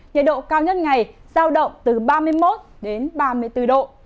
nhiệt độ cao nhất ngày dao động từ ba mươi một đến ba mươi bốn độ